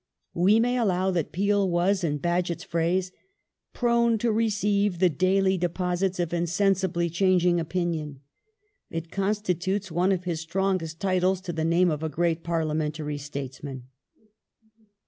We may allow that Peel was, in Bagehot's phrase, " prone to receive the daily deposits of insensibly changing opinion ". It constitutes one of his strongest titles to the name of a great parlia mentary statesman.